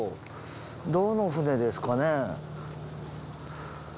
どの船ですかね？